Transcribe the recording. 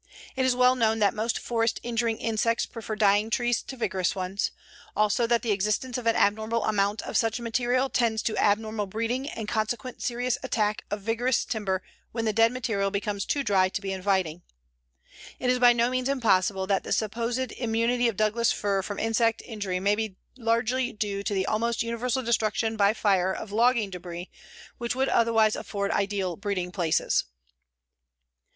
It is well known that most forest injuring insects prefer dying trees to vigorous ones; also that the existence of an abnormal amount of such material tends to abnormal breeding and consequent serious attack of vigorous timber when the dead material becomes too dry to be inviting. It is by no means impossible that the supposed immunity of Douglas fir from insect injury may be largely due to the almost universal destruction by fire of logging debris which would otherwise afford ideal breeding places.